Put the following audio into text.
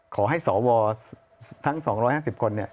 ขอให้สอบวอลทั้ง๒๕๐คนเนี่ย